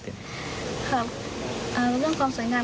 เรื่องความสวยงาม